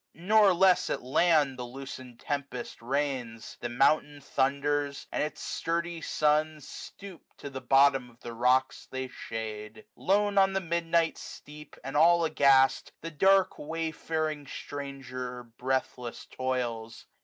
Nor less at land the loosened tempest reigns. 175 The mountain thunders ; and its sturdy sons Stoop to the bottom of the rocks they shade. Lone on the midnight steep, and all aghast. The dark way fairing stranger breathless toils.